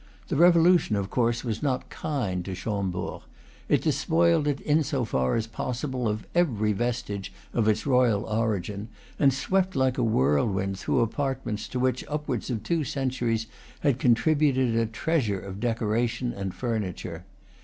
The Revolution, of course, was not kind to Chambord. It despoiled it in so far as possible of every vestige of its royal origin, and swept like a whirlwind through apartments to which upwards of two centuries had contributed a treasure of decoration and furniture.